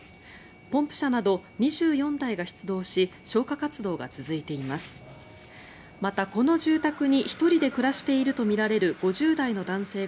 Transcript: ポンプ車など２４台が出動し消火活動が続いています。